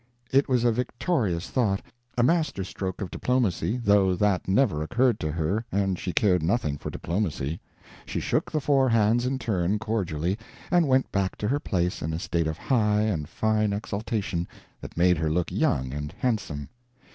It was a victorious thought, a master stroke of diplomacy, though that never occurred to her and she cared nothing for diplomacy. She shook the four hands in turn cordially, and went back to her place in a state of high and fine exultation that made her look young and handsome.